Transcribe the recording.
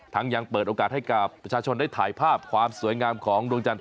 ยังเปิดโอกาสให้กับประชาชนได้ถ่ายภาพความสวยงามของดวงจันทร์